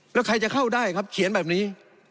แล้วใครจะเข้าได้ครับเขียนแบบนี้